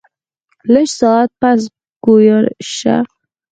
لږ ساعت پس ګویا شۀ ـ